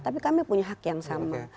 tapi kami punya hak yang sama